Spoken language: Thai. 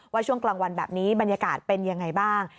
ช่วงกลางวันแบบนี้บรรยากาศเป็นยังไงบ้าง